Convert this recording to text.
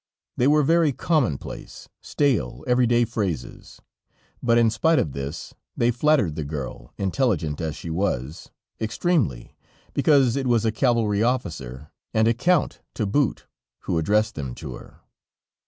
They were very commonplace, stale, everyday phrases, but in spite of this, they flattered the girl, intelligent as she was, extremely, because it was a cavalry officer and a Count to boot who addressed them to her.